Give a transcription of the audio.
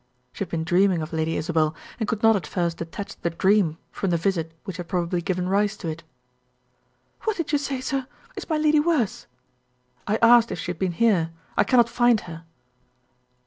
She had been dreaming of Lady Isabel, and could not at first detach the dream from the visit which had probably given rise to it. "What did you say, sir? Is my lady worse?" "I asked if she had been here. I cannot find her."